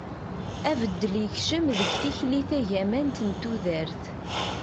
abeddel yekcem deg tikli tagamant n tudert